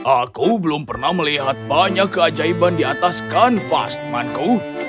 aku belum pernah melihat banyak keajaiban di ataskan vastemanku